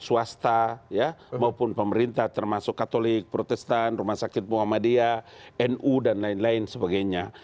swasta maupun pemerintah termasuk katolik protestan rumah sakit muhammadiyah nu dan lain lain sebagainya